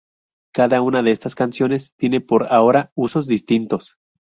Cada una de estas canciones tiene por ahora usos distintos.